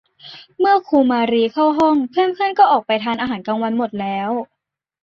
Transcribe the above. เมื่อครูมาลีเข้าห้องเพื่อน ๆ ก็ออกไปทานอาหารกลางวันหมดแล้ว